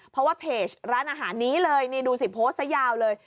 เพราะว่าเพจร้านอาหารนี้เลยนี่ดูสิโพสต์ซะยาวเลย